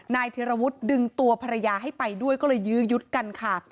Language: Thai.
ธิรวุฒิดึงตัวภรรยาให้ไปด้วยก็เลยยื้อยุดกันค่ะ